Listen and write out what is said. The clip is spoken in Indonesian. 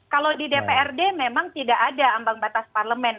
kalau di dprd memang tidak ada ambang batas parlemen